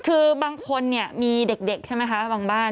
คือบางคนเนี่ยมีเด็กใช่ไหมคะบางบ้าน